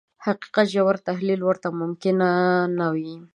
د حقيقت ژور تحليل ورته ممکن نه وي.